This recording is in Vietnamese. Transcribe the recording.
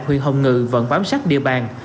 huyền hồng ngự vẫn bám sát địa bàn